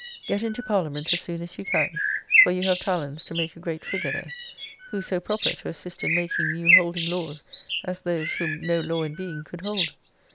Get into parliament as soon as you can: for you have talons to make a great figure there. Who so proper to assist in making new holding laws, as those whom no law in being could hold?